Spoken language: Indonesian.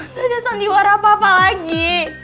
lo udah sandiwara apa apa lagi